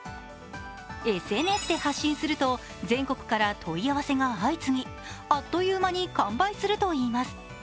ＳＮＳで発信すると全国から問い合わせが相次ぎあっという間に完売するといいます。